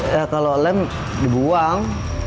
ya kalau lem dibuang